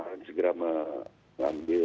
kita harus mencari penyakit yang lebih baik